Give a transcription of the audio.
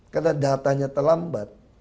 karena datanya terlambat